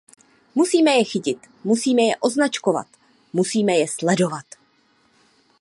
Musíte je chytit, musíte je označkovat, musíte je sledovat.